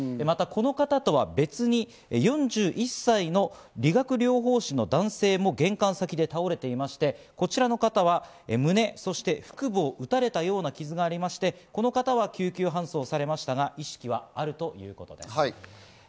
また、この方とは別に４１歳の理学療法士の男性も、玄関先で倒れていまして、こちらの方は胸、そして腹部を撃たれたような傷がありまして、この方は救急搬送されましたが意識はあるということです。